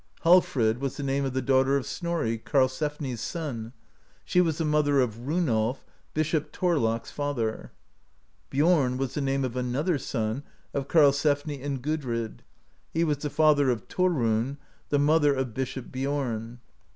Hallfrid was the name of the daughter of Snorri, Karl sefni's son ; she was the mother of Runolf, Bishop Thor lak's father. Biorn was the name of [another] son of Karlsef ni and Gudrid ; he was the father of Thorunn, the mother of Bishop Biorn.